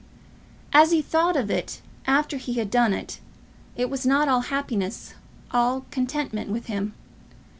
As he thought of it after he had done it, it was not all happiness, all contentment, with him.